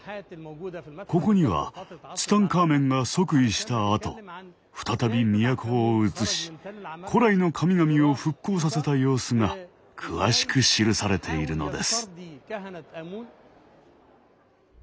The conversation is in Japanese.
ここにはツタンカーメンが即位したあと再び都をうつし古来の神々を復興させた様子が詳しく記されているのです。